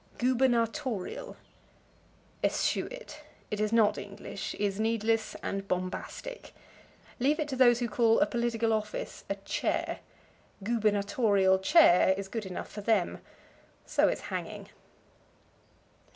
Gubernatorial. Eschew it; it is not English, is needless and bombastic. Leave it to those who call a political office a "chair." "Gubernatorial chair" is good enough for them. So is hanging.